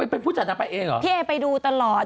เป็นผู้จัดนางไปเองเหรอพี่เอไปดูตลอด